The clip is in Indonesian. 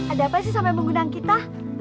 ada apa sih sama yang mengundang kita